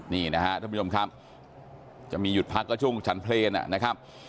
นี่นะฮะท่านผู้ชมครับจะมีหยุดพักก็ช่วงฉันเพลงนะครับ